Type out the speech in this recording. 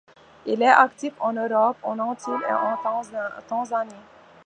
Il est actif en Europe, aux Antilles et en Tanzanie.